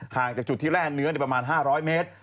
ห่างจากจุดที่แร่เนื้อเนี่ยประมาณ๕๐๐เมตร